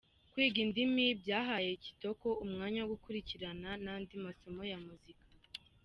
Kwiga indimi byahaye Kitoko umwanya wo gukurikirana n’andi masomo ya muzika.